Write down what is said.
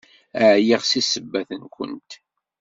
Ɛyiɣ seg ssebbat-nwent!